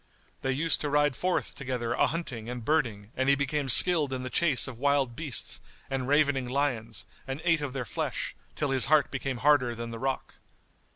They used to ride forth together a hunting and birding and he became skilled in the chase of wild beasts and ravening lions and ate of their flesh, till his heart became harder than the rock.